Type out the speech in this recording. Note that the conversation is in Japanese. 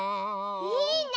いいね！